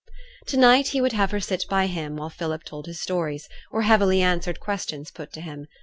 To night he would have her sit by him while Philip told his stories, or heavily answered questions put to him.